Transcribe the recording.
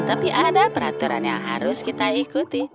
tapi ada peraturan yang harus kita ikuti